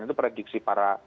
itu prediksi para